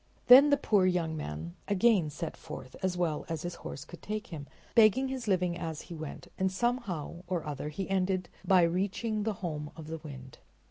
Then the poor young man again set forth as well as his horse could take him, begging his living as he went, and somehow or other he ended by reaching the home of the wind.